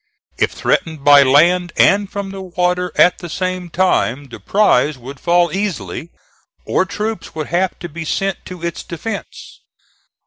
If threatened by land and from the water at the same time the prize would fall easily, or troops would have to be sent to its defence.